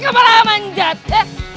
eh kamu malah manjat eh